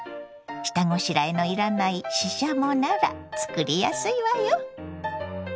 下ごしらえのいらないししゃもなら作りやすいわよ。